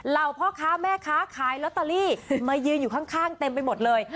พ่อค้าแม่ค้าขายลอตเตอรี่มายืนอยู่ข้างเต็มไปหมดเลย